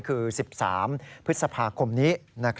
คือ๑๓พฤษภาคมนี้